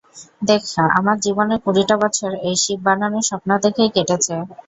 দেখ, আমার জীবনের কুড়িটা বছর এই শিপ বানানোর স্বপ্ন দেখেই কেটেছে।